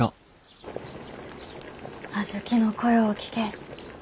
小豆の声を聴けえ。